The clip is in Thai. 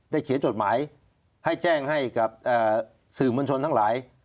เขียนจดหมายให้แจ้งให้กับสื่อมวลชนทั้งหลาย